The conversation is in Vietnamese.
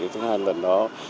thứ hai là nó